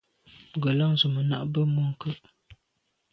Ngelan ze me na’ mbe mônke’.